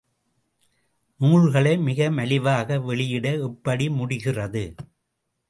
நூல்களை மிக மலிவாக வெளியிட எப்படி முடிகிறது?